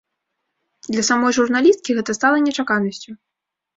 Для самой журналісткі гэта стала нечаканасцю.